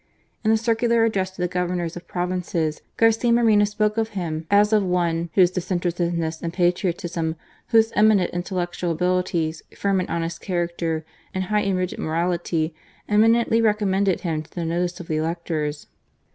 In a circular addressed to the Governors of Provinces, Garcia Moreno spoke of him as of one " whose disinterestedness and patriotism, whose eminent intellectual abilities, firm and honest character and i high and rigid morality, eminently recommended him to the notice of the electors."